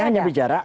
dia hanya bicara